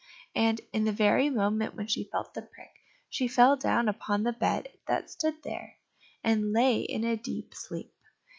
And, in the very moment when she felt the prick, she fell down upon the bed that stood there, and lay in a deep sleep.